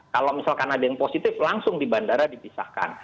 kalau misalkan ada yang positif langsung di bandara dipisahkan